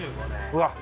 うわっ！